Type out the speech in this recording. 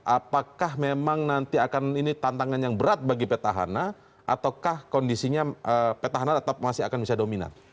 apakah memang nanti akan ini tantangan yang berat bagi petahana ataukah kondisinya petahana tetap masih akan bisa dominan